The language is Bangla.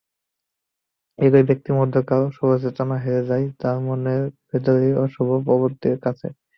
একই ব্যক্তির মধ্যকার শুভচেতনা হেরে যায় তারই মনের ভেতরের অশুভ প্রবৃত্তির কাছে।